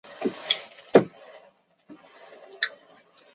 中国很早就有文学批评。